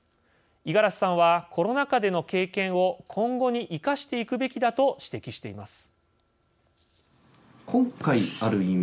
五十嵐さんはコロナ禍での経験を今後に生かしていくべきだと指摘しています。